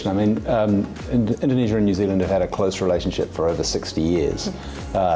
pertanyaan yang baik indonesia dan new zealand telah memiliki hubungan yang rapat selama enam puluh tahun